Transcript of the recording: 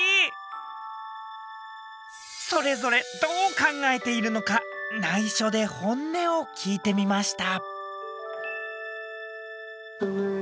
それぞれどう考えているのかないしょで本音を聞いてみました。